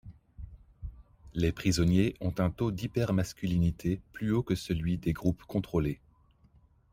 Les prisonniers ont un taux d'hyper-masculinité plus haut que celui des groupes contrôlés.